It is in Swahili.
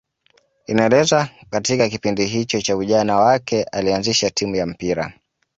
Inaelezwa katika kipindi hicho cha ujana wake alianzisha timu ya mpira